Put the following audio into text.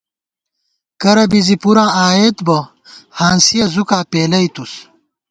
کرہ بی زی پُراں آئیت بہ ، ہانسِیَہ زُکا پېلیتُس